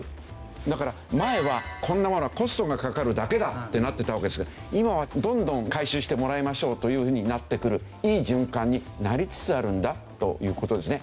だから前はこんなものはコストがかかるだけだ！ってなってたわけですけど今はどんどん回収してもらいましょうというふうになってくるいい循環になりつつあるんだという事ですね。